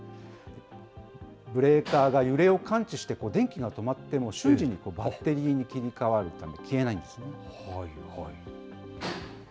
ブレーカーが揺れを感知して、電気が止まっても、瞬時にバッテリーに切り替わるため、消えないんですね。